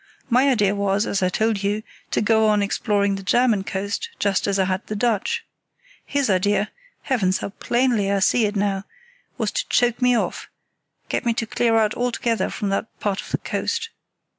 My idea was, as I told you, to go on exploring the German coast just as I had the Dutch. His idea—Heavens, how plainly I see it now!—was to choke me off, get me to clear out altogether from that part of the coast.